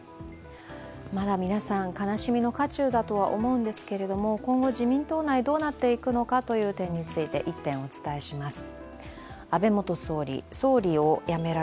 まだ皆さん、悲しみの渦中だとは思うんですけれども今後、自民党内、どうなっていくのかということを１点お伝えします。